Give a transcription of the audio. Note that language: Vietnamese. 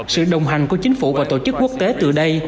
sự đồng hành của chính phủ và tổ chức quốc tế từ đây